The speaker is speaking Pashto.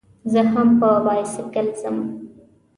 زه هم په بایسکل ځم.